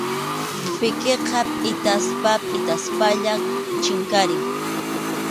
Pikiqa pʼitaspa pʼitaspalla chinkarin.